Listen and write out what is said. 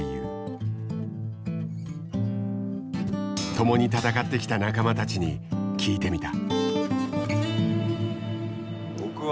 共に戦ってきた仲間たちに聞いてみた。